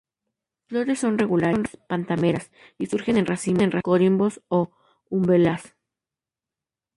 Las flores son regulares, pentámeras, y surgen en racimos, corimbos o umbelas.